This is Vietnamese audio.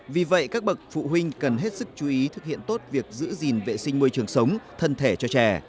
vì vậy các bậc phụ huynh cần hết sức chú ý thực hiện tốt việc giữ gìn vệ sinh môi trường sống thân thể cho trẻ